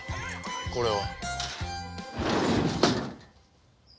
これは。